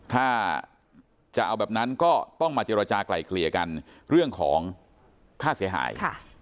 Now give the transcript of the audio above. ถ้าจะเอาแบบนั้นก็ต้องมาเจรจากลายเกลี่ยกันเรื่องของค่าเสียหาย